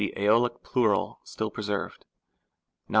^lic plural still preserved : Nom.